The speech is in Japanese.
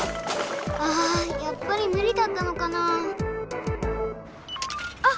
あやっぱりむりだったのかなぁあっ！